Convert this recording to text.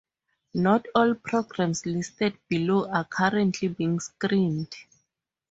Not all programs listed below are currently being screened.